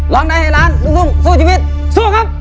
ร้องได้ให้ล้านลูกทุ่งสู้ชีวิตสู้ครับ